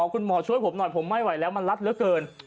คุณหมอช่วยผมหน่อยผมไม่ไหวแล้วมันรัดเหลือเกิน